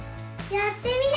やってみる！